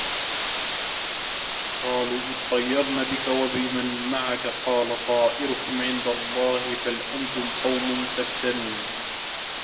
قالُوا اطَّيَّرنا بِكَ وَبِمَن مَعَكَ قالَ طائِرُكُم عِندَ اللَّهِ بَل أَنتُم قَومٌ تُفتَنونَ